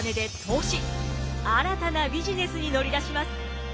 新たなビジネスに乗り出します。